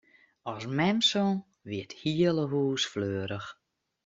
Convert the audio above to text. As mem song, wie it hiele hûs fleurich.